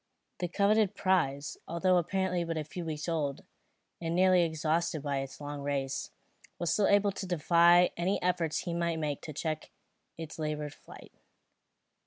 The coveted prize, although apparently but a few weeks old, and nearly exhausted by its long race, was still able to defy any efforts he might make to check its laboured flight.